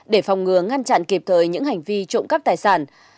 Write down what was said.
để phòng ngừa ngăn chặn kịp thời những hành vi trộm cắp tài sản